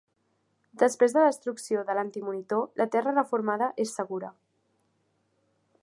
Després de la destrucció de l'Anti-Monitor, la terra reformada és segura.